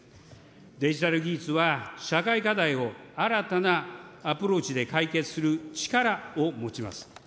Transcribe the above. デジタル技術は社会課題を新たなアプローチで解決する力を持ちます。